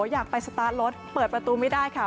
อยากไปสตาร์ทรถเปิดประตูไม่ได้ค่ะ